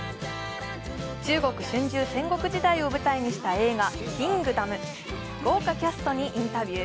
中国春秋戦国時代を舞台にした「キングダム」、豪華キャストにインタビュー。